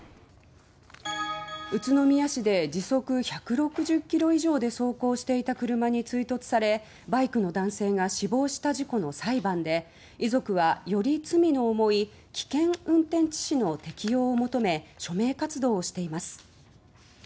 宇都宮市で時速１６０ｋｍ以上で走行していた車に追突されバイクの男性が死亡した事故の裁判で遺族はより罪の重い危険運転致死の適用を求め署名活動をしています。